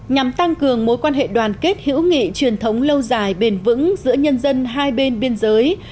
nhằm tăng cường mối quan hệ đoàn kết hữu nghị truyền thống lâu dài bền vững giữa nhân dân hai bên biên giới